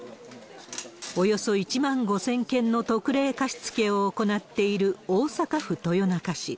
およそ１万５０００件の特例貸付を行っている、大阪府豊中市。